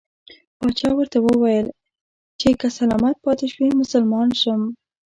پاچا ورته وویل چې که سلامت پاته شوې مسلمان شم.